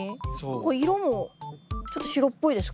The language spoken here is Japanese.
これ色もちょっと白っぽいですか？